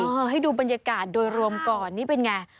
ขอให้ดูบรรยากาศโดยรวมก่อนนี่เป็นอย่างไร